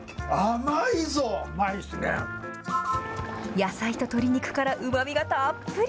野菜ととり肉からうまみがたっぷり。